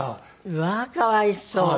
うわーかわいそう。